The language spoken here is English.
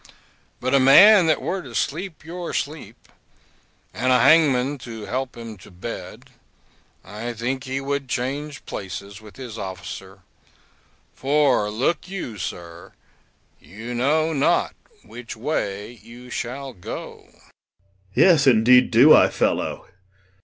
But a man that were to sleep your sleep, and a hangman to help him to bed, I think he would change places with his officer; for look you, sir, you know not which way you shall go. POSTHUMUS. Yes indeed do I, fellow.